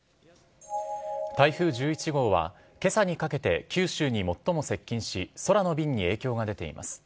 台風１１号は、けさにかけて九州に最も接近し、空の便に影響が出ています。